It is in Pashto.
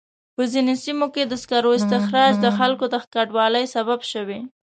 په ځینو سیمو کې د سکرو استخراج د خلکو د کډوالۍ سبب شوی.